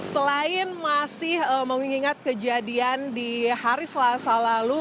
selain masih mengingat kejadian di hari selasa lalu